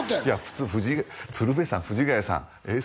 いや普通鶴瓶さん藤ヶ谷さん